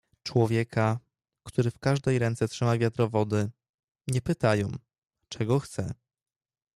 "Człowieka, który w każdej ręce trzyma wiadro wody, nie pytają, czego chce."